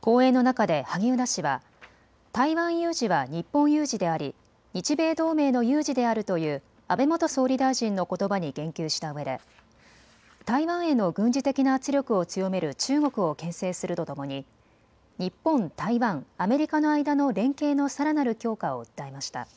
講演の中で萩生田氏は台湾有事は日本有事であり日米同盟の有事であるという安倍元総理大臣のことばに言及したうえで台湾への軍事的な圧力を強める中国をけん制するとともに日本、台湾、アメリカの間の連携のさらなる強化を訴えました。